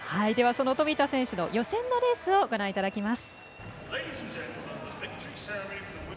富田選手の予選のレースをご覧いただきます。